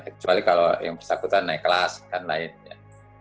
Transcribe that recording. kecuali kalau yang bersangkutan naik kelas dan lainnya